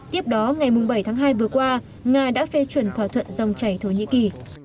tiếp đó ngày bảy tháng hai vừa qua nga đã phê chuẩn thỏa thuận dòng chảy thổ nhĩ kỳ